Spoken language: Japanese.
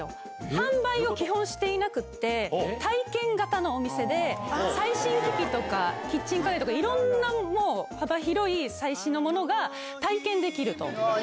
販売を基本していなくって、体験型のお店で、最新機器とかキッチン家電とか、いろんな、もう幅広い最新のものが体験できると。